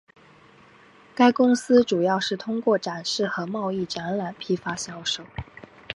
该公司主要是通过展示和贸易展览批发销售。